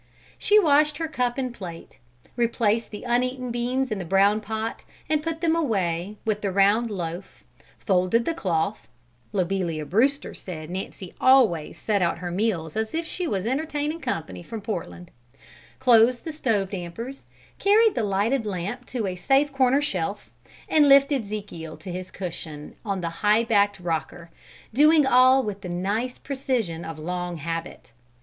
She washed her cup and plate; replaced the uneaten beans in the brown pot, and put them away with the round loaf, folded the cloth (Lobelia Brewster said Nancy always "set out her meals as if she was entertainin' company from Portland"), closed the stove dampers, carried the lighted lamp to a safe corner shelf, and lifted 'Zekiel to his cushion on the high backed rocker, doing all with the nice precision of long habit.